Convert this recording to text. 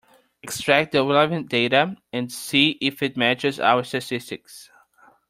Extract the relevant data and see if it matches our statistics.